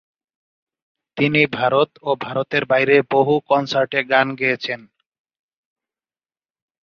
তিনি ভারত ও ভারতের বাইরে বহু কনসার্টে গান গেয়েছেন।